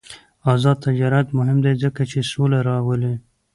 آزاد تجارت مهم دی ځکه چې سوله راولي.